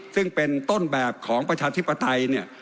ซึ่งเป็นต้นแบบของประชาธิปไตยเนี่ย